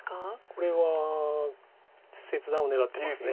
これは切断を狙ってます。